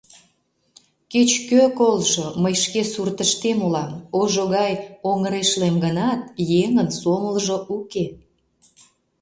Кеч-кӧ колжо, мый шке суртыштем улам, ожо гай оҥырешлем гынат, еҥын сомылжо уке.